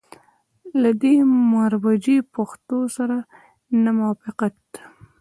له دې مروجي پښتو سره نه موافقت.